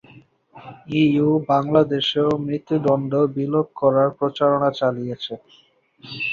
EU বাংলাদেশেও মৃত্যুদণ্ড বিলোপ করার প্রচারণা চালিয়েছে।